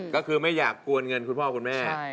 ก็คือไม่อยากกวนเงินคุณพ่อคุณแม่